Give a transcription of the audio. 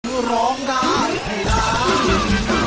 คือร้องได้ให้ร้าน